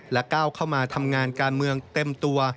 ก้าวเข้ามาทำงานการเมืองเต็มตัว